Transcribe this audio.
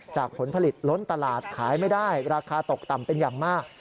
ผลผลิตล้นตลาดขายไม่ได้ราคาตกต่ำเป็นอย่างมาก